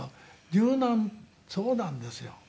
柔軟そうなんですよ。